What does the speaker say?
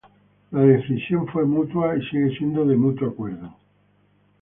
La decisión fue mutua y sigue siendo de mutuo acuerdo.